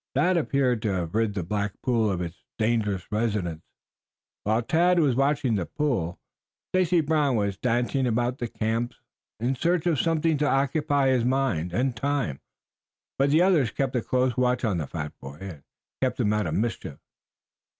That appeared to have rid the black pool of its dangerous residents. While Tad was watching the pool Stacy Brown was dancing about the camp in search of something to occupy his mind and time, but the others kept a close watch on the fat boy and kept him out of mischief.